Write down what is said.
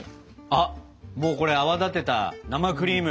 あっもうこれ泡立てた生クリーム！